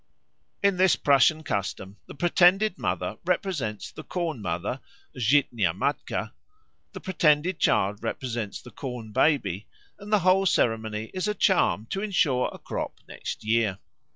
In this Prussian custom the pretended mother represents the Corn mother (Zytniamatka_); the pretended child represents the Corn baby, and the whole ceremony is a charm to ensure a crop next year.